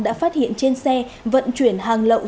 đã phát hiện trên xe vận chuyển hàng lậu